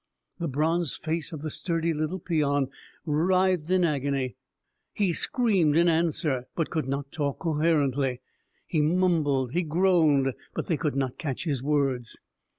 The bronzed face of the sturdy little peon writhed in agony. He screamed in answer, he could not talk coherently. He mumbled, he groaned, but they could not catch his words.